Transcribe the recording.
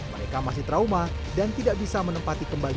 mereka masih trauma dan tidak bisa menempati kembali